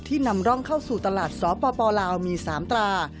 นำร่องเข้าสู่ตลาดสปลาวมี๓ตรา